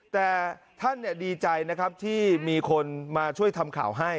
แต่ท่านดีใจนะครับที่มีคนมาช่วยทำข่าวให้